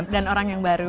dan orang yang baru